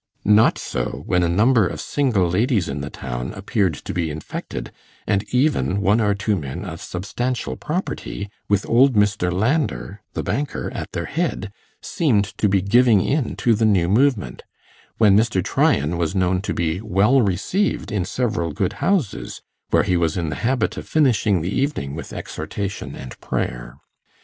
Not so when a number of single ladies in the town appeared to be infected, and even one or two men of substantial property, with old Mr. Landor, the banker, at their head, seemed to be 'giving in' to the new movement when Mr. Tryan was known to be well received in several good houses, where he was in the habit of finishing the evening with exhortation and prayer.